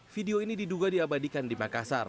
video ini diduga diabadikan di makassar